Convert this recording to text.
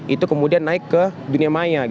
itu kemudian naik ke dunia maya